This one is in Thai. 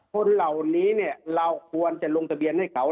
คนเหล่านี้เนี่ยเราควรจะลงทะเบียนให้เขา